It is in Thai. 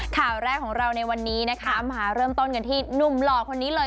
ข่าวแรกของเราในวันนี้นะคะมาเริ่มต้นกันที่หนุ่มหล่อคนนี้เลย